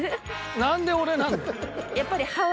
何で俺なんだよ。